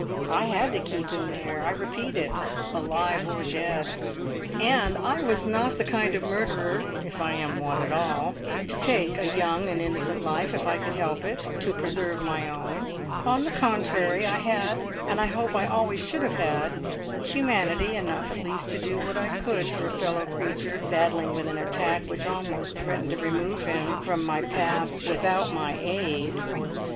I had to keep him there—I repeat it—alive or dead. And I was not the kind of murderer (if I am one at all) to take a young and innocent life, if I could help it, to preserve my own; on the contrary, I had, and I hope I always should have had, humanity enough at least to do what I could for a fellow creature battling with an attack which almost threatened to remove him from my path without my aid."